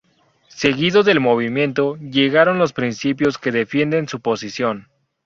Seguido del movimiento, llegaron los principios que defienden su posición.